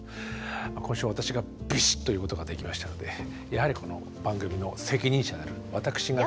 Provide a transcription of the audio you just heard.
今週は私がビシッと言うことができましたのでやはり番組の責任者である私が。